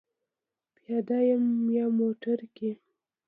پیاده یم یا موټر کې؟